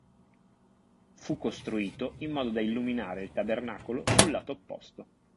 Fu costruito in modo da illuminare il tabernacolo sul lato opposto.